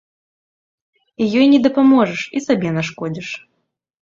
І ёй не дапаможаш, і сабе нашкодзіш.